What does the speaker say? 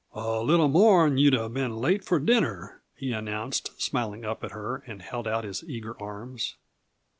"A little more, and you'd have been late for dinner," he announced, smiling up at her, and held out his eager arms.